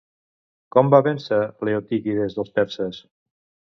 Com va vèncer Leotíquides als perses?